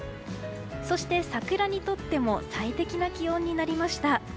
そして桜にとっても最適な気温になりました。